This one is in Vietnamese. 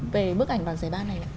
về bức ảnh và giải ban này